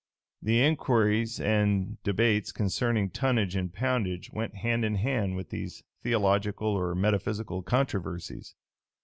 The inquiries and debates concerning tonnage and poundage went hand in hand with these theological or metaphysical controversies.